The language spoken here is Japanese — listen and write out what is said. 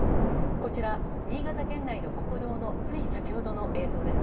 こちら、新潟県内の国道のつい先ほどの映像です。